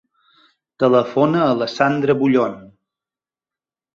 Telefona a la Sandra Bullon.